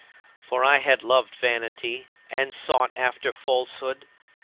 For I had loved vanity and sought after falsehood.